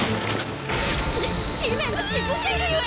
じ地面が沈んでいるゆえ！